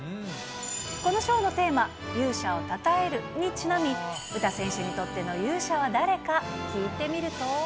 この賞のテーマ、勇者をたたえるにちなみ、詩選手にとっての勇者は誰か、聞いてみると。